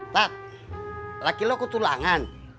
pak laki lo ketulangan